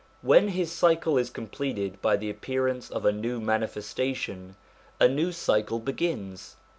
When his cycle is completed by the appearance of a new Manifestation, a new cycle begins.